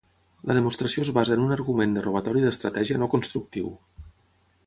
La demostració es basa en un argument de robatori d'estratègia no constructiu.